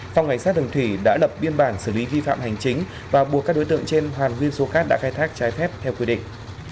phòng cảnh sát đường thủy đã lập biên bản xử lý vi phạm hành chính và buộc các đối tượng trên hoàn nguyên số khác đã khai thác trái phép theo quy định